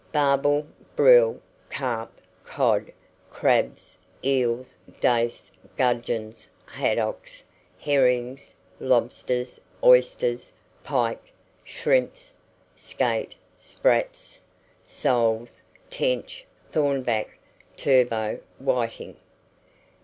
Barbel, brill, carp, cod, crabs, eels, dace, gudgeons, haddocks, herrings, lobsters, oysters, porch, pike, shrimps, skate, sprats, soles, tench, thornback, turbot, whiting.